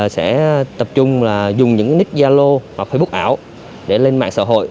sẽ tập trung dùng những nick yalo hoặc facebook ảo để lên mạng xã hội